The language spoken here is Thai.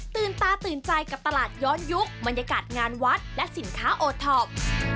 ตาตื่นใจกับตลาดย้อนยุคบรรยากาศงานวัดและสินค้าโอท็อป